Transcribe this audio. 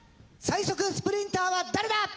最速スプリンターは誰だ！